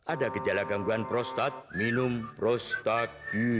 ada gejala gangguan prostat minum prostat